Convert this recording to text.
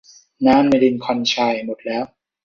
น้ำในลินคอล์นไชร์หมดแล้ว